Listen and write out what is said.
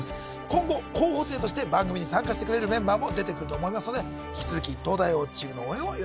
今後候補生として番組に参加してくれるメンバーも出てくると思いますのではい